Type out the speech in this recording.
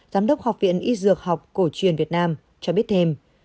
giám đốc học viện y dược học cổ truyền việt nam cho biết thêm